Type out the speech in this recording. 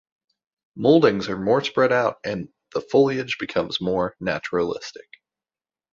Mouldings are more spread out and the foliage becomes more naturalistic.